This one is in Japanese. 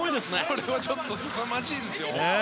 これはちょっとすさまじいですよ。